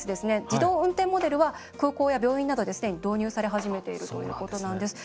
自動運転モデルは空港や病院などで既に導入され始めているということなんです。